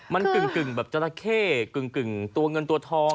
มันกึ่งแบบจราเข้กึ่งตัวเงินตัวทอง